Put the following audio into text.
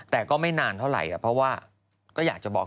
แต่ก็ไม่นานเท่าไหร่เพราะว่าก็อยากจะบอก